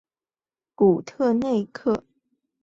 古特内克是德国巴伐利亚州的一个市镇。